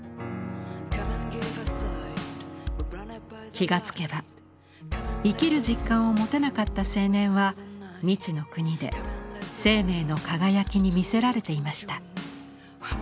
気が付けば生きる実感を持てなかった青年は未知の国で生命の輝きに魅せられていました。